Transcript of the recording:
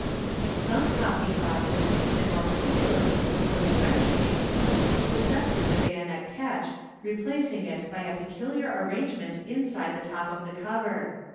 Some coffee vases, and more particularly those of French make, dispense with the bayonet catch, replacing it by a peculiar arrange ment inside the top of the cover.